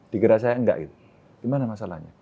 digeras saya enggak gitu gimana masalahnya